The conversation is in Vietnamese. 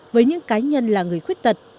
với những cá nhân là người khuyết tật